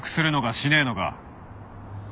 しねえのか？